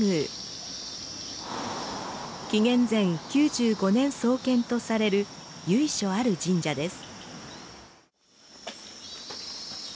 紀元前９５年創建とされる由緒ある神社です。